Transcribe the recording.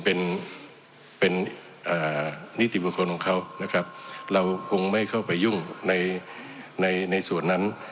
เป็นเป็นนิติบุคคลของเขานะครับเราคงไม่เข้าไปยุ่งในในส่วนนั้น